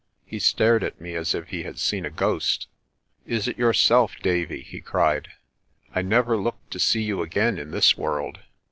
He stared at me as if he had seen a ghost. "Is it yourself, Davie?" he cried. "I never looked to see you again in this world.